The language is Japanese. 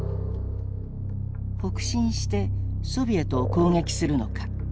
北進してソビエトを攻撃するのか。